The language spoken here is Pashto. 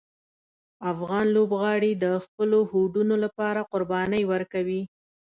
افغان لوبغاړي د خپلو هوډونو لپاره قربانۍ ورکوي.